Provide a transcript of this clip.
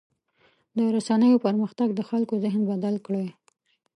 د رسنیو پرمختګ د خلکو ذهن بدل کړی.